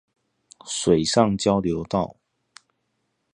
水上交流道